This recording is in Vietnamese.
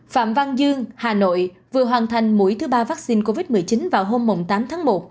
phạm văn dương hà nội vừa hoàn thành mũi thứ ba vaccine covid một mươi chín vào hôm tám tháng một